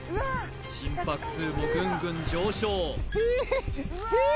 心拍数もぐんぐん上昇ひいー！